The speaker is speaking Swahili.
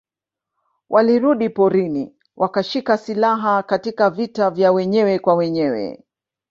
Walirudi porini wakashika silaha Katika vita vya wenyewe kwa wenyewe